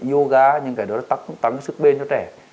yoga những cái đó là tăng sức bền cho trẻ